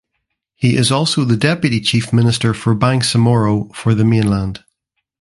He is also the Deputy Chief Minister of Bangsamoro for the Mainland.